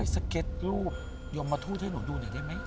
สเก็ตรูปยมทูตให้หนูดูหน่อยได้ไหม